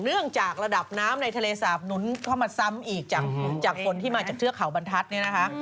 เนื่องจากระดับน้ำในทะเลสาบหนุนเข้ามาซ้ำอีกจากฝนที่มาจากเทือกเขาบรรทัศน์เนี่ยนะคะ